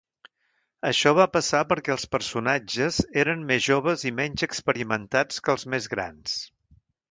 Això va passar perquè els personatges eren més joves i menys experimentats que els més grans.